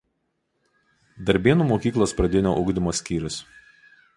Darbėnų mokyklos pradinio ugdymo skyrius.